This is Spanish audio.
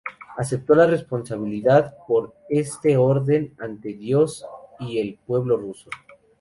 Acepto la responsabilidad por este orden ante Dios y el pueblo ruso.